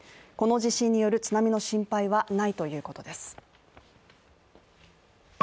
この地震による、津波の心配はないということです。